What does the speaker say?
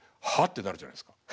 ってなるじゃないですか。